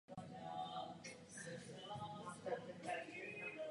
Z toho důvodu, i uprostřed krize nacházím nové příležitosti.